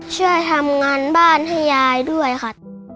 ช่วยทำงานบ้านให้ยายด้วยค่ะ